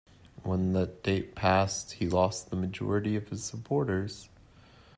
When that date passed, he lost the majority of his supporters.